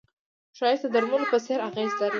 ښایست د درملو په څېر اغېز لري